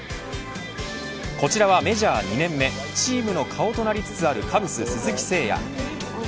こちらはメジャー２年目チームの顔となりつつあるカブス鈴木誠也。